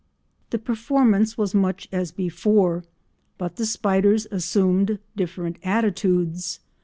] The performance was much as before, but the spiders assumed different attitudes.